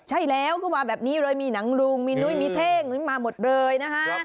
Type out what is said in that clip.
ใช่แล้วก็มาแบบนี้เลยมีหนังรุงมีนุ้ยมีเท่งมาหมดเลยนะฮะ